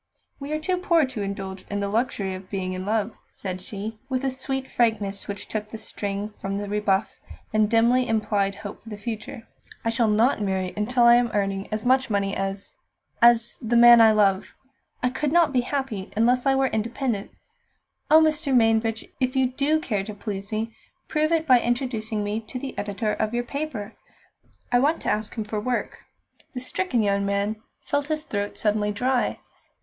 "We are too poor to indulge in the luxury of being in love," said she, with a sweet frankness which took the sting from the rebuff and dimly implied hope for the future. "I shall not marry until I am earning as much money as as the man I love. I could not be happy unless I were independent. Oh, Mr. Mainbridge! if you do care to please me, prove it by introducing me to the editor of your paper! I want to ask him for work." The stricken young man felt his throat suddenly dry.